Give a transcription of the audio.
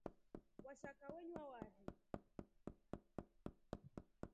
Washaka wenywa wari.